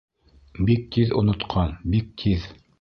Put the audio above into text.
Бик тиҙ онотҡан, бик тиҙ!